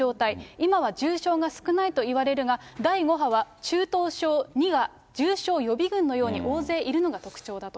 今は重傷が少ないといわれるが、第５波は、中等症２は重症予備軍のように、大勢いるのが特徴だと。